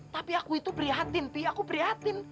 tapi aku itu prihatin tapi aku prihatin